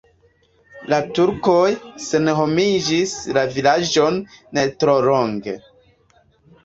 La turkoj senhomigis la vilaĝon ne tro longe.